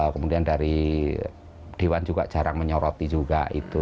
kemudian dari diwan juga jarang menyoroti juga